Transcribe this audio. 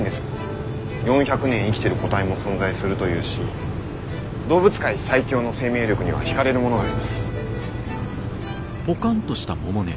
４００年生きてる個体も存在するというし動物界最強の生命力には引かれるものがあります。